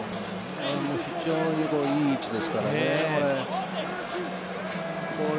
非常にいい位置ですからねこれ。